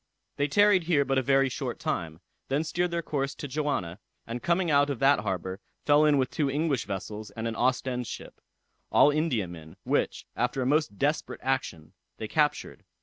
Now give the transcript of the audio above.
They tarried here but a very short time, then steered their course to Johanna, and coming out of that harbor, fell in with two English vessels and an Ostend ship, all Indiamen, which, after a most desperate action, they captured.